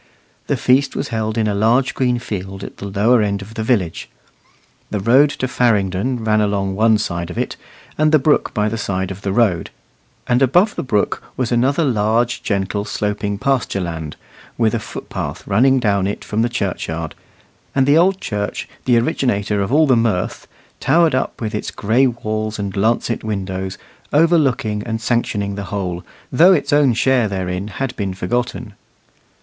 The feast was held in a large green field at the lower end of the village. The road to Farringdon ran along one side of it, and the brook by the side of the road; and above the brook was another large, gentle, sloping pasture land, with a footpath running down it from the churchyard; and the old church, the originator of all the mirth, towered up with its gray walls and lancet windows, overlooking and sanctioning the whole, though its own share therein had been forgotten.